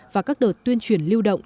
và các đợt tuyên truyền lưu động